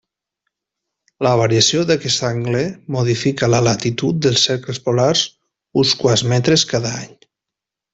La variació d'aquest angle modifica la latitud dels cercles polars uns quants metres cada any.